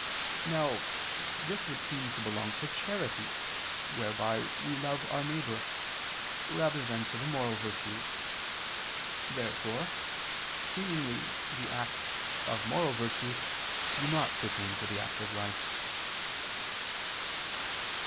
Now this would seem to belong to charity, whereby we love our neighbor, rather than to the moral virtues. Therefore seemingly the acts of moral virtue do not pertain to the active life.